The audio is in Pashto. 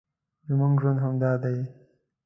زموږ ژوند همدا دی